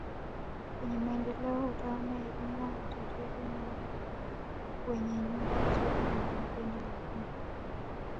Kwenye Maendeleo utaona Iringa matajiri na wenye nyumba nzuri ni wabena na wakinga